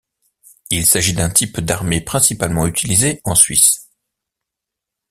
Il s'agit d'un type d'armées principalement utilisé en Suisse.